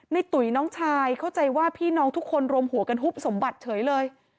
ตุ๋ยน้องชายเข้าใจว่าพี่น้องทุกคนรวมหัวกันหุบสมบัติเฉยเลย